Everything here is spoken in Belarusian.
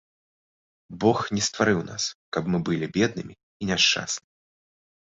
Бог не стварыў нас, каб мы былі беднымі і няшчаснымі.